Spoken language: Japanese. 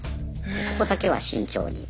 そこだけは慎重に。